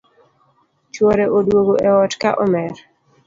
Chuore oduogo e ot ka omer